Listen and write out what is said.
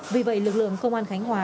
vì vậy lực lượng công an khánh hòa